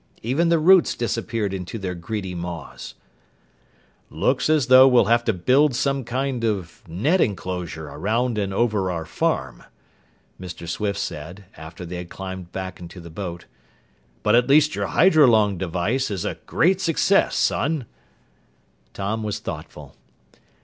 Even the roots disappeared into their greedy maws. "Looks as though we'll have to build some sort of net enclosure around and over our farm," Mr. Swift said, after they had climbed back into the boat. "But at least your hydrolung device is a great success, son!" Tom was thoughtful.